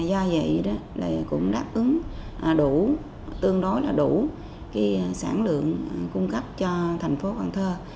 do vậy đó là cũng đáp ứng đủ tương đối là đủ cái sản lượng cung cấp cho thành phố cần thơ